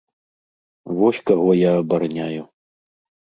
Вось каго я абараняю.